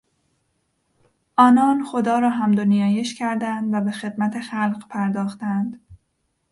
آنان خدا را حمد و نیایش کردند و به خدمت خلق پرداختند.